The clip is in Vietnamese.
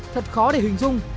thật khó để hình dung